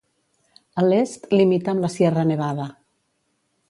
A l'est, limita amb la Sierra Nevada.